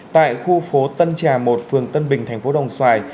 tại khu phố tân trà một phường tân bình thành phố đồng xoài